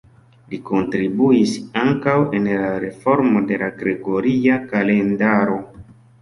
Li kontribuis ankaŭ en la reformo de la Gregoria kalendaro.